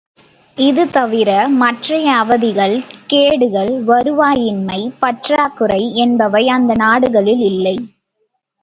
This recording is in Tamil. இது தவிர மற்றைய அவதிகள், கேடுகள், வருவாய் இன்மை, பற்றாக்குறை என்பவை அந்த நாடுகளில் இல்லை.